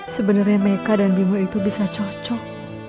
sebenarnya meka dan bimo itu bisa cocok